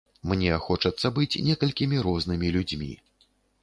Мне хочацца быць некалькімі рознымі людзьмі.